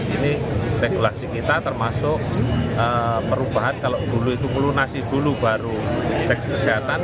ini regulasi kita termasuk perubahan kalau dulu itu melunasi dulu baru cek kesehatan